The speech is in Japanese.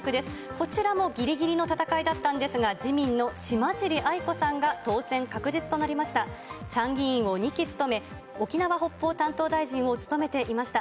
こちらもぎりぎりの戦いだったんですが、自民の島尻安伊子さんが当選確実となりました。